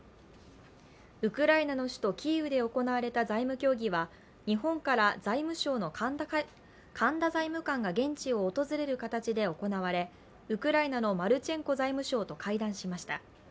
ウクライナの首都キーウで行われた財務協議は日本から財務省の神田財務官が現地を訪れる形で行われウクライナのマルチェンコ財務相と会談しました。